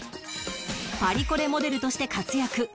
パリコレモデルとして活躍